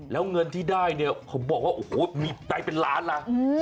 แล้วเงินที่ได้เนี่ยเขาบอกว่าโอ้โหมีได้เป็นล้านนะ